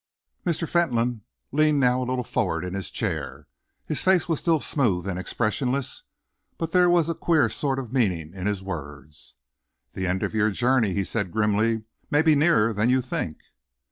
Mr. Fentolin leaned now a little forward in his chair. His face was still smooth and expressionless, but there was a queer sort of meaning in his words. "The end of your journey," he said grimly, "may be nearer than you think."